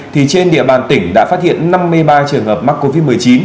thì trên địa bàn tỉnh đã phát hiện năm mươi ba trường hợp mắc covid một mươi chín